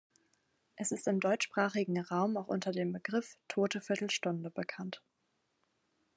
Es ist im deutschsprachigen Raum auch unter dem Begriff Tote Viertelstunde bekannt.